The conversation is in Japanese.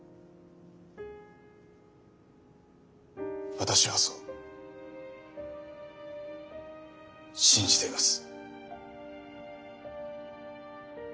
私はそう信じています。